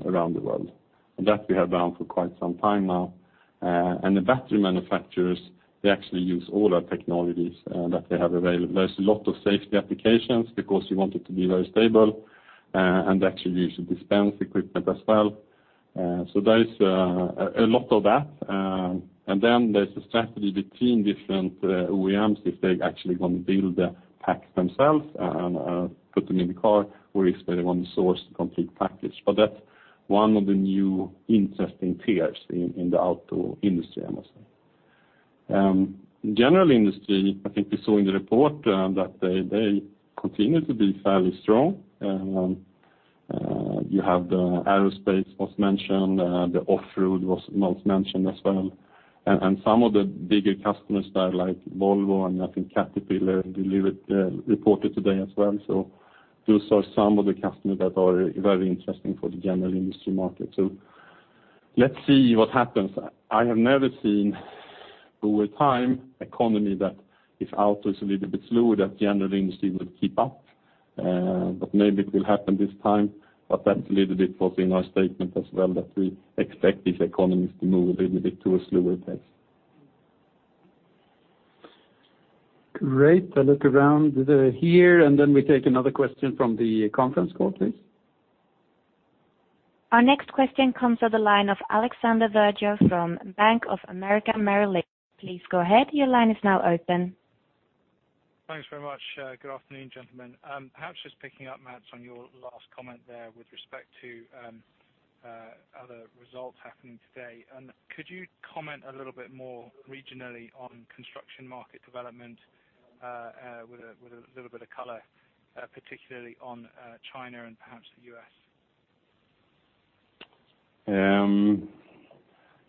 around the world. That we have done for quite some time now. The battery manufacturers, they actually use all our technologies that they have available. There's a lot of safety applications because you want it to be very stable, and they actually use the dispense equipment as well. There is a lot of that. There's a strategy between different OEMs if they're actually going to build the packs themselves and put them in the car, or if they want to source the complete package. That's one of the new interesting tiers in the outdoor industry, I must say. General industry, I think we saw in the report that they continue to be fairly strong. You have the aerospace was mentioned, the off-road was not mentioned as well. Some of the bigger customers there, like Volvo and I think Caterpillar reported today as well. Those are some of the customers that are very interesting for the general industry market. Let's see what happens. I have never seen, over time, economy that if auto's a little bit slower, that general industry will keep up. Maybe it will happen this time. That's a little bit was in our statement as well, that we expect these economies to move a little bit to a slower pace. Great. I look around here. We take another question from the conference call, please. Our next question comes to the line of Alexander Virgo from Bank of America Merrill Lynch. Please go ahead, your line is now open. Thanks very much. Good afternoon, gentlemen. Perhaps just picking up, Mats, on your last comment there with respect to other results happening today. Could you comment a little bit more regionally on construction market development, with a little bit of color, particularly on China and perhaps the U.S.?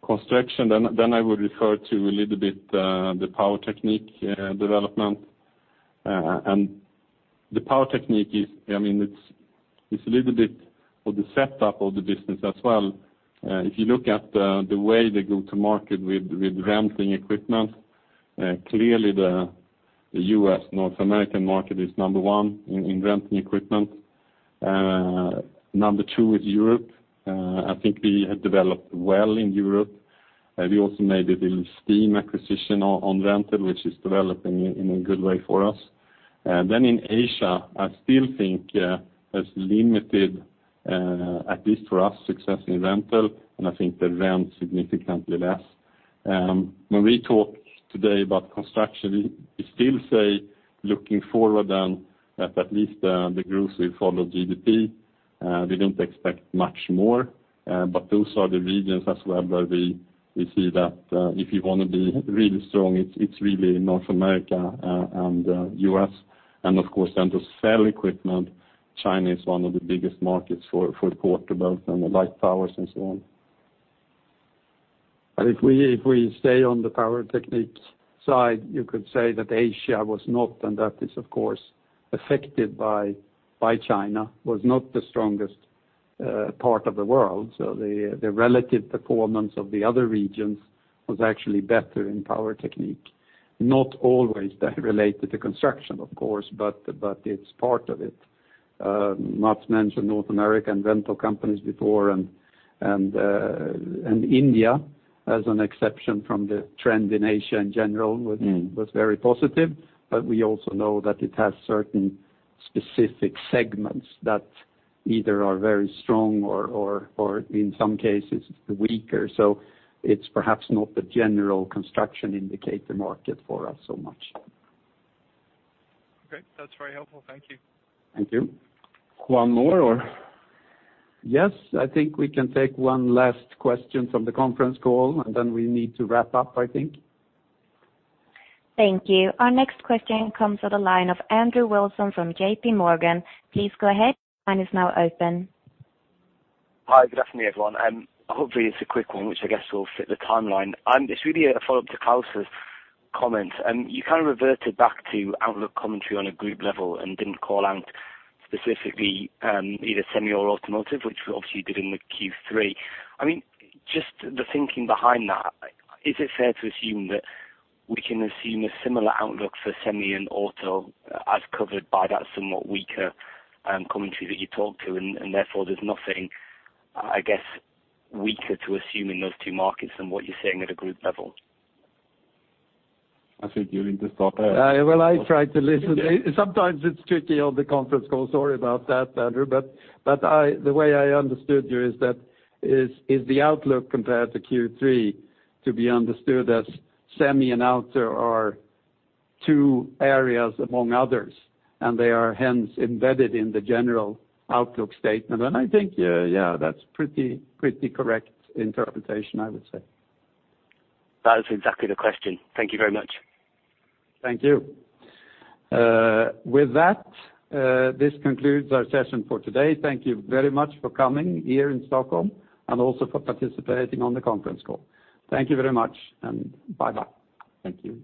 Construction, then I would refer to a little bit the Power Technique development. The Power Technique, it's a little bit of the setup of the business as well. If you look at the way they go to market with renting equipment, clearly the U.S., North American market is number one in renting equipment. Number two is Europe. I think we have developed well in Europe. We also made a little steam acquisition on rental, which is developing in a good way for us. In Asia, I still think there's limited, at least for us, success in rental, and I think they rent significantly less. When we talk today about construction, we still say, looking forward, that at least the groups will follow GDP. We don't expect much more, but those are the regions as well where we see that if you want to be really strong, it's really North America and U.S. Of course, then to sell equipment, China is one of the biggest markets for portables and the light towers and so on. If we stay on the Power Technique side, you could say that Asia was not, and that is, of course, affected by China, was not the strongest part of the world. So the relative performance of the other regions was actually better in Power Technique. Not always that related to construction, of course, but it's part of it. Mats mentioned North American rental companies before, and India, as an exception from the trend in Asia in general, was very positive. But we also know that it has certain specific segments that either are very strong or in some cases weaker. So it's perhaps not the general construction indicator market for us so much. Okay. That's very helpful. Thank you. Thank you. One more, or? Yes, I think we can take one last question from the conference call, then we need to wrap up, I think. Thank you. Our next question comes to the line of Andrew Wilson from JP Morgan. Please go ahead, your line is now open. Hi. Good afternoon, everyone. Hopefully, it's a quick one, which I guess will fit the timeline. It's really a follow-up to Klas' comment. You kind of reverted back to outlook commentary on a group level and didn't call out specifically either semi or automotive, which we obviously did in the Q3. Just the thinking behind that, is it fair to assume that we can assume a similar outlook for semi and auto as covered by that somewhat weaker commentary that you talked to, therefore there's nothing, I guess, weaker to assume in those two markets than what you're saying at a group level? I think you need to start there. I try to listen. Sometimes it's tricky on the conference call, sorry about that, Andrew. The way I understood you is that is the outlook compared to Q3 to be understood as semi and auto are two areas among others, and they are hence embedded in the general outlook statement, and I think yeah, that's pretty correct interpretation, I would say. That is exactly the question. Thank you very much. Thank you. With that, this concludes our session for today. Thank you very much for coming here in Stockholm and also for participating on the conference call. Thank you very much, and bye-bye. Thank you.